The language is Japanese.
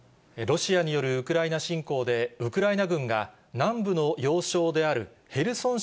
ロシアによるウクライナ侵攻で、ウクライナ軍が南部の要衝であるヘルソン